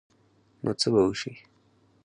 نو څه به وشي ؟